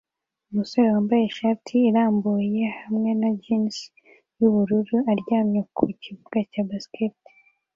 Umusore wambaye ishati irambuye hamwe na jans yubururu aryamye ku kibuga cya basketball